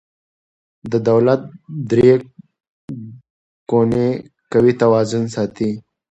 د دولت درې ګونې قوې توازن ساتي